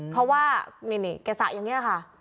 เพราะว่าเหน่นแกสระอย่างเนี่ยค่ะ